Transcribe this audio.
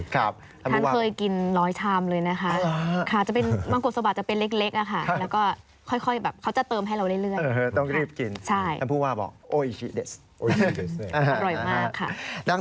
ค่ะวังโกโซบะจะเป็นเล็ก